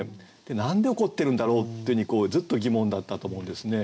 何で怒ってるんだろう？っていうふうにずっと疑問だったと思うんですね。